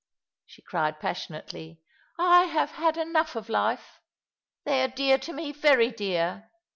she cried passionately. "I have had enough of life. They are dear to me, very dear.